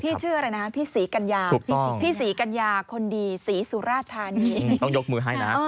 พี่เชื่ออะไรนะพี่สีกัญญาผู้ดีสีสุราฐาณีต้องยกมือให้นะ